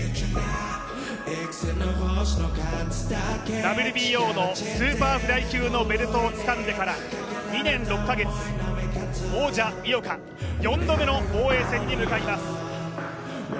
ＷＢＯのスーパーフライ級のベルトをつかんでから２年６カ月、王者・井岡、４度目の防衛戦に向かいます。